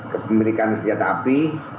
kepemilikan senjata api